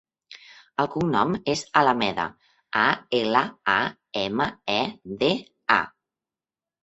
El cognom és Alameda: a, ela, a, ema, e, de, a.